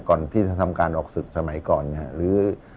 ก่อนที่ทำการออกศึกสมัยก่อนเนี่ยหรือเอ่อ